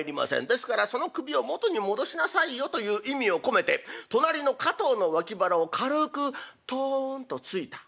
ですから「その首を元に戻しなさいよ」という意味を込めて隣の加藤の脇腹を軽くトンと突いた。